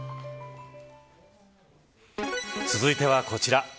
続いてはこちら。